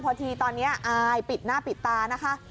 พอทีตอนนี้อายปิดหน้าปิดตานะคะ